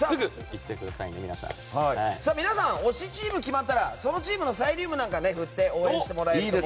皆さん推しチームが決まったらそのチームのサイリウムなんか振って応援してもらえると。